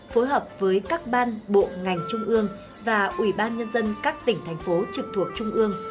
phối hợp với các ban bộ ngành trung ương và ủy ban nhân dân các tỉnh thành phố trực thuộc trung ương